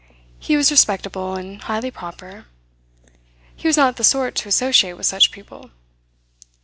He was respectable and highly proper. He was not the sort to associate with such people.